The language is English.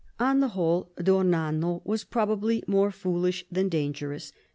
On the whole, d'Ornano was probably more foolish than dangerous.